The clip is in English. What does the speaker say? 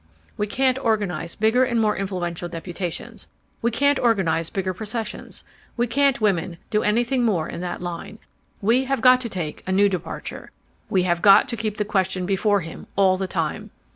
"We can't organize bigger and more influential deputations. We can't organize bigger processions. We can't, women, do anything more in that line. We have got to take a new departure. We have got to keep the question before him all the time.